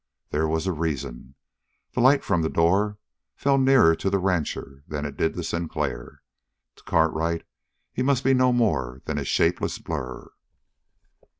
There was a reason. The light from the door fell nearer to the rancher than it did to Sinclair. To Cartwright he must be no more than a shapeless blur.